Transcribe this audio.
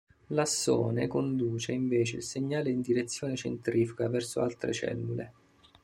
L'assone conduce invece il segnale in direzione centrifuga verso altre cellule.